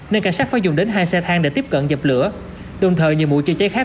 nên cảnh sát phải dùng đến hai xe thang để tiếp cận dập lửa đồng thời nhiều mũ chữa cháy khác